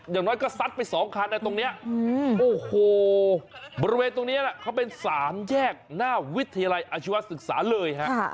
อย่างน้อยก็ซัดไป๒คันตรงนี้โอ้โหบริเวณตรงนี้เขาเป็น๓แยกหน้าวิทยาลัยอาชีวศึกษาเลยฮะ